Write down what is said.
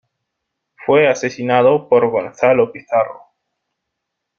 Fue asesinado por Gonzalo Pizarro.